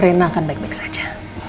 rena akan baik baik saja